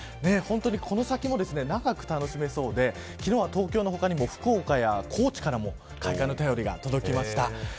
本当にこの先も長く楽しめそうで昨日は東京の他にも福岡や高知からも開花の便りが届きました。